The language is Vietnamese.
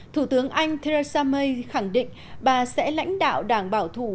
thủ tướng anh theresa may khẳng định bà sẽ lãnh đạo đảng bảo thủ